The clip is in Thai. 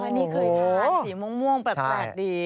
อ๋อนี่คือทานสีม่วงแปลกดี